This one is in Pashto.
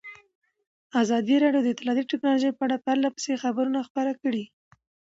ازادي راډیو د اطلاعاتی تکنالوژي په اړه پرله پسې خبرونه خپاره کړي.